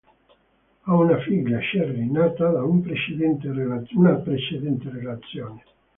Ha una figlia, Sherri, nata da una precedente relazione.